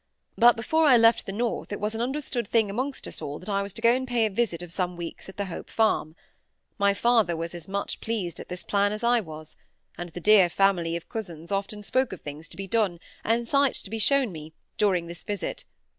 But before I left the north it was an understood thing amongst us all that I was to go and pay a visit of some weeks at the Hope Farm. My father was as much pleased at this plan as I was; and the dear family of cousins often spoke of things to be done, and sights to be shown me, during this visit.